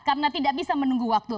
karena tidak bisa menunggu waktu